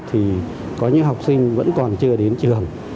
thì có những học sinh vẫn còn chưa đến trường